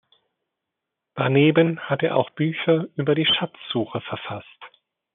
Daneben hat er auch Bücher über die Schatzsuche verfasst.